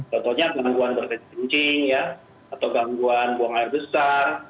contohnya gangguan berkencing atau gangguan buang air besar